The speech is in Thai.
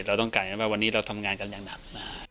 เราต้องการกันว่าวันนี้เราทำงานกันอย่างหนัก